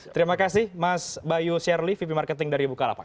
terima kasih mas bayu sherly vp marketing dari bukalapak